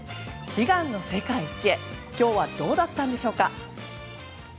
悲願の世界一へ今日はどうだったんでしょうか。